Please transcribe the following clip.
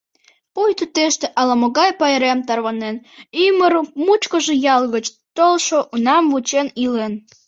Пуйто тыште ала-могай пайрем тарванен, ӱмыр мучкыжо ял гыч толшо унам вучен илен.